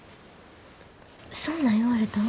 そんなん言われたん？